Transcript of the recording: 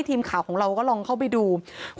ทีมข่าวของเราก็ลองเข้าไปดู